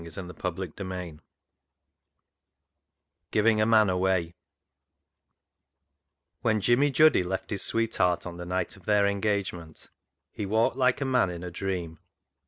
Giving a Man Away 83 Giving a Man Away When Jimmy Juddy left his sweetheart on the night of their engagement, he walked like a man in a dream.